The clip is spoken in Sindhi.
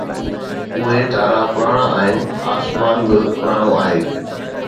اهي تارا پراڻا آهن، آسمان به پراڻو آهي